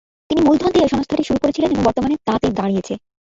তিনি মূলধন দিয়ে সংস্থাটি শুরু করেছিলেন এবং বর্তমানে তা তে দাঁড়িয়েছে।